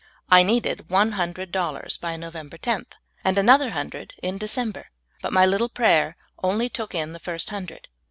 I needed one hundred dollars by November loth, and another hun dred in December, but mj^ little prayer only took in the first hundred.